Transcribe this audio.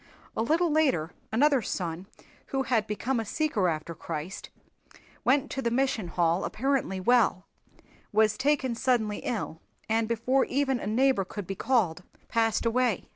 A little later another son who had become a seeker after Christ went to the Mission Hall apparently well was taken suddenly ill and before even a neighbor could be called passed away.